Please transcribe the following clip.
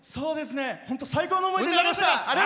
本当最高の思い出になりました。